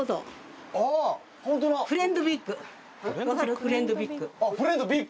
フレンドビッグ。